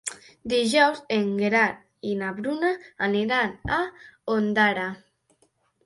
Dijous en Gerard i na Bruna aniran a Ondara.